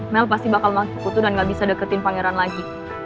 mel pasti bakal masih putu dan gak bisa deketin pangeran lagi